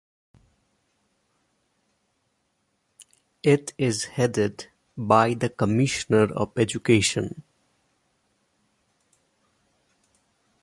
It is headed by the Commissioner of Education.